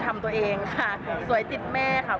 ทำตัวเองค่ะสวยติดแม่ค่ะ